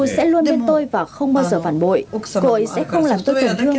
cô ấy sẽ không làm tôi tổn thương